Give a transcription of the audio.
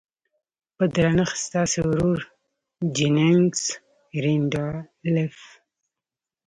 په درنښت ستاسې ورور جيننګز رينډالف.